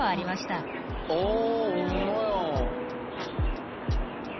あほんまや。